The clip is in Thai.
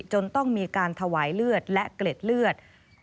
จนต้องมีการถวายเลือดและเกล็ดเลือด